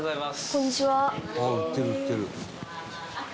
こんにちは。